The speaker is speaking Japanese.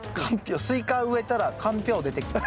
スイカ植えたらかんぴょう出てきた。